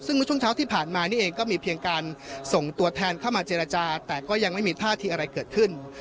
ซึ่งเมื่อช่วงเช้าที่ผ่านมานี่เองก็มีเพียงการส่งตัวแทนเข้ามาเจรจาแต่ก็ยังไม่มีท่าทีอะไรเกิดขึ้น